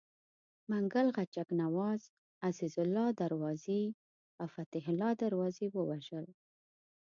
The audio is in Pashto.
منګل غچک نواز، عزیزالله دروازي او فتح الله دروازي ووژل.